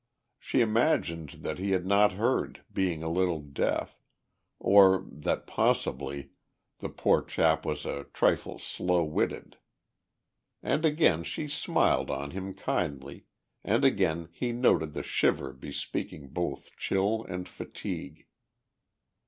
She imagined that he had not heard, being a little deaf ... or that, possibly, the poor chap was a trifle slow witted. And again she smiled on him kindly and again he noted the shiver bespeaking both chill and fatigue.